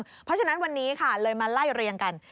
เพราะฉะนั้นวันนี้ค่ะเลยมาไล่เรียงกัน